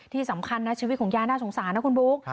ที่สำคัญนะชีวิตของยายน่าสงสารนะคุณบุ๊ค